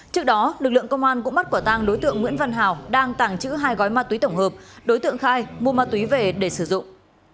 trước đó lực lượng công an cũng bắt quả tăng đối tượng nguyễn văn hào đang tàng trữ hai gói ma túy tổng hợp đối tượng khai mua ma túy về để sử dụng